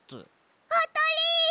あたり！